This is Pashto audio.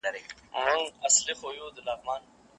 ایا ته نوې تجربې خوښوې؟